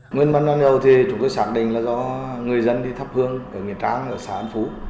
nguyên nhân ban đầu thì chúng tôi xác định là do người dân đi thắp hương ở nguyễn trang xã an phú